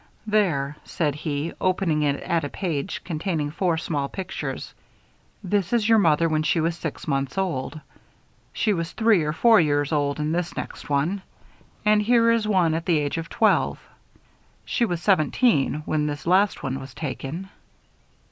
"There," said he, opening it at a page containing four small pictures. "This is your mother when she was six months old. She was three or four years old in this next one, and here is one at the age of twelve. She was seventeen when this last one was taken."